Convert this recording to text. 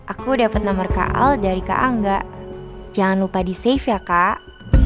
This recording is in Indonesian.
aku dapet nomer kak al dari kak angga jangan lupa di save ya kak